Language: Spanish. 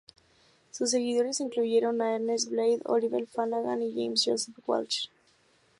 Sus seguidores incluyeron a Ernest Blythe, Oliver Flanagan y James Joseph Walsh.